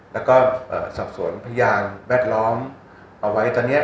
แล้วก็สอบสวนพยานแวดล้อมเอาไว้ตอนนี้